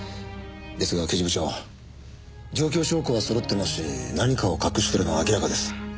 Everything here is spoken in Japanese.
ですが刑事部長状況証拠はそろってますし何かを隠してるのは明らかです。